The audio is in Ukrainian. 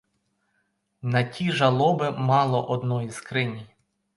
На ті жалоби мало одної скрині.